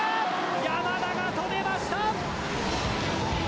山田が止めました！